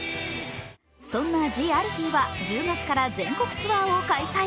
そんなＴＨＥＡＬＦＥＥは１０月から全国ツアーを開催。